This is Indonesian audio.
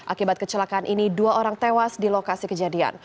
akibat kecelakaan ini dua orang tewas di lokasi kejadian